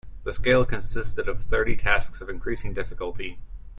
The scale consisted of thirty tasks of increasing difficulty.